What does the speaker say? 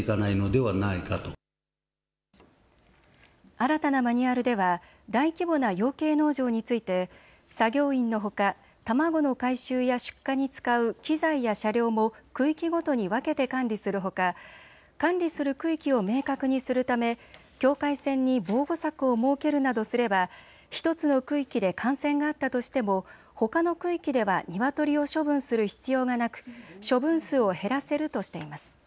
新たなマニュアルでは大規模な養鶏農場について作業員のほか卵の回収や出荷に使う機材や車両も区域ごとに分けて管理するほか管理する区域を明確にするため境界線に防護柵を設けるなどすれば１つの区域で感染があったとしてもほかの区域ではニワトリを処分する必要がなく処分数を減らせるとしています。